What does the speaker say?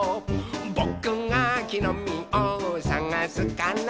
「ぼくがきのみをさがすから」